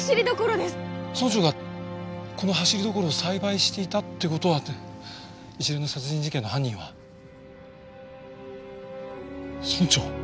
村長がこのハシリドコロを栽培していたって事は一連の殺人事件の犯人は村長？